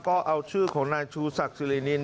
ก็เอาชื่อของนายชูศักดิรินิน